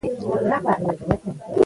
هغه وویل چې کوډله نه لري.